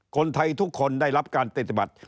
คนไทยทุกคนได้รับการปฏิบัติ